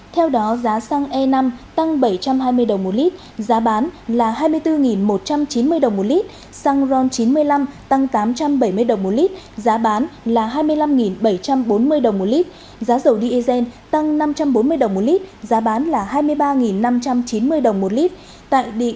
theo đó giá xăng e năm tăng bảy trăm hai mươi đồng một lít giá bán là hai mươi bốn một trăm chín mươi đồng một lít xăng ron chín mươi năm tăng tám trăm bảy mươi đồng một lít giá bán là hai mươi năm bảy trăm bốn mươi đồng một lít giá dầu diesel tăng năm trăm bốn mươi đồng một lít giá bán là hai mươi ba năm trăm chín mươi đồng một lít